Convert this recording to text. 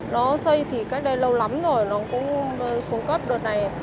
nó xây thì cách đây lâu lắm rồi nó cũng xuống cấp đợt này